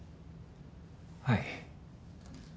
はい。